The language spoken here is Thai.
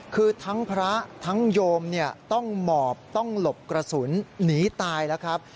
คือทั้งพระทั้งโยมต้องหมอบต้องหลบกระสุนหนีตายแล้วครับ